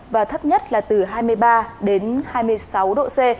và thấp nhất là từ hai mươi ba đến hai mươi sáu độ c